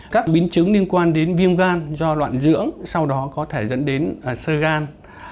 các biến chứng liên quan đến viêm gan do loạn dưỡng sau đó có thể dẫn đến sơ gan